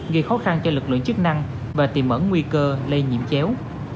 gây khó khăn cho lực lượng chức năng và tìm ẩn nguy cơ lây nhiễm chéo